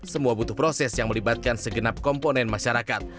semua butuh proses yang melibatkan segenap komponen masyarakat